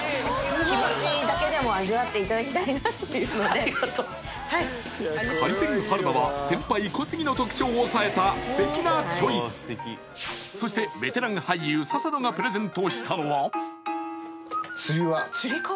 すごいハリセン春菜は先輩小杉の特徴をおさえた素敵なチョイスそしてベテラン俳優笹野がプレゼントしたのはつり革？